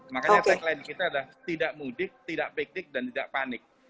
makanya tagline kita adalah tidak mudik tidak piknik dan tidak panik